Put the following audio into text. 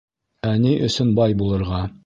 Ә ни өсөн бай булырға?